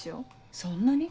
そんなに？